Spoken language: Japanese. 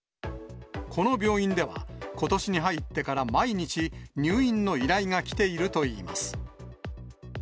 この病院では、ことしに入ってから毎日、入院の依頼が来ているといいます。